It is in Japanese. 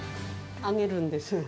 揚げるんです。